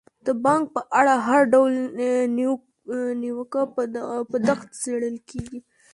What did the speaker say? د بانک په اړه هر ډول نیوکه په دقت څیړل کیږي.